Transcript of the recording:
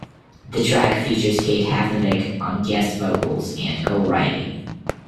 The track features Kate Havnevik on guest vocals and co-writing.